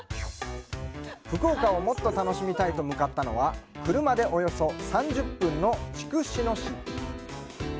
福岡をもっと楽しみたいと向かったのは、車でおよそ３０分の筑紫野市。